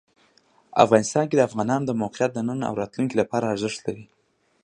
افغانستان کې د افغانستان د موقعیت د نن او راتلونکي لپاره ارزښت لري.